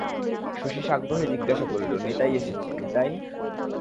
শশী সাগ্রহে জিজ্ঞাসা করিল, নিতাই এসেছে, নিতাই?